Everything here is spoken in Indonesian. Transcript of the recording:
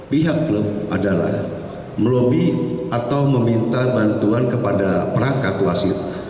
pihak klub adalah melobi atau meminta bantuan kepada perangkat wasit